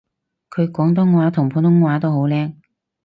佢廣東話同普通話都好叻